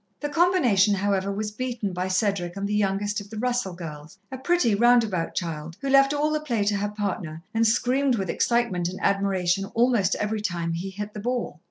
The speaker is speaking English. The combination, however, was beaten by Cedric and the youngest of the Russell girls, a pretty, roundabout child, who left all the play to her partner and screamed with excitement and admiration almost every time he hit the ball.